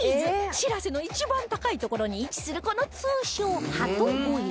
「しらせ」の一番高い所に位置するこの通称ハト小屋